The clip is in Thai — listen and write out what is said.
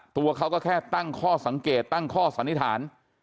ตัวเขาก็แค่ตั้งข้อสังเกตตั้งข้อสันนิษฐาน